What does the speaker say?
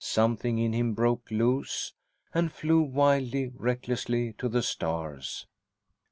Something in him broke loose, and flew wildly, recklessly to the stars.